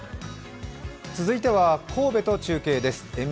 続いては神戸と中継です。